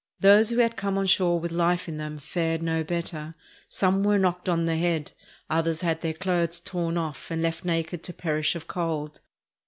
Those who had come on shore with life in them fared no better. Some were knocked on the head, others had their clothes torn off and were left naked to perish of cold.